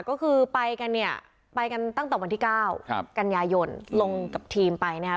ก็คือไปกันเนี่ยไปกันตั้งแต่วันที่เก้าครับกันยายนลงกับทีมไปนะครับ